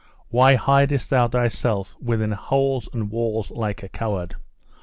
Why hidest thou thyself within holes and walls like a coward?